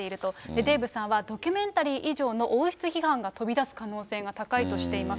デーブさんは、ドキュメンタリー以上の王室批判が飛び出す可能性が高いとしています。